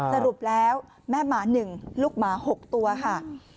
สรุปแล้วแม่หมา๑ลูกหมา๖ตัวค่ะ